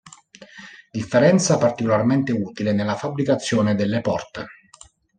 Differenza particolarmente utile nella fabbricazione delle porte.